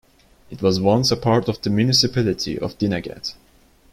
It was once a part of the municipality of Dinagat.